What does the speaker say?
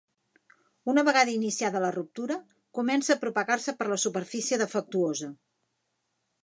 Una vegada iniciada la ruptura, comença a propagar-se per la superfície defectuosa.